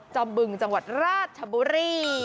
อมบึงจังหวัดราชบุรี